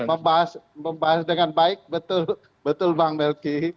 kalau membahas dengan baik betul bang melki